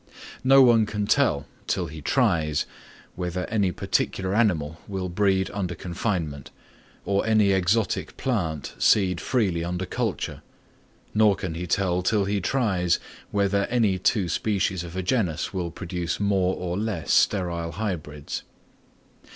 No one can tell till he tries, whether any particular animal will breed under confinement, or any exotic plant seed freely under culture; nor can he tell till he tries, whether any two species of a genus will produce more or less sterile hybrids.